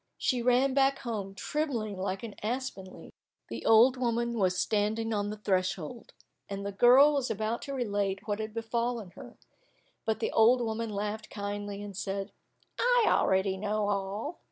She ran back home, trembling like an aspen leaf. The old woman was standing on the threshold, and the girl was about to relate what had befallen her, but the old woman laughed kindly, and said, "I already know all."